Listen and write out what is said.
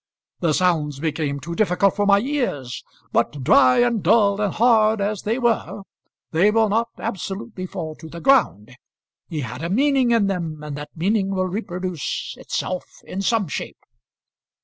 "The sounds became too difficult for my ears; but dry and dull and hard as they were, they will not absolutely fall to the ground. He had a meaning in them, and that meaning will reproduce itself in some shape."